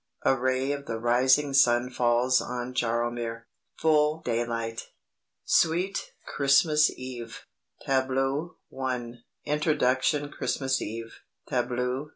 A ray of the rising sun falls on Jaromir. Full daylight." SUITE, "CHRISTMAS EVE" TABLEAU 1. INTRODUCTION: CHRISTMAS EVE TABLEAU 2.